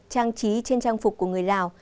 trang trí trên trang phục của người lào